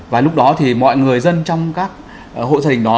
và lúc đó thì mọi người dân trong các hộ gia đình đó